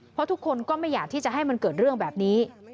เพราะทุกคนก็ไม่อยากที่จะให้มันเกิดเรื่องแบบนี้